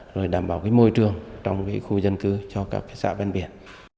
rồi đảm bảo môi trường trong khu dân cư cho các xã ven biển